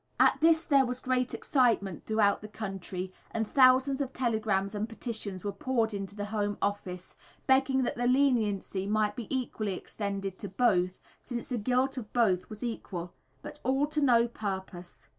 At this there was great excitement throughout the country, and thousands of telegrams and petitions were poured into the Home Office, begging that the leniency might be equally extended to both since the guilt of both was equal. But all to no purpose.